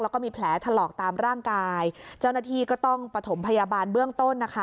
แล้วก็มีแผลถลอกตามร่างกายเจ้าหน้าที่ก็ต้องประถมพยาบาลเบื้องต้นนะคะ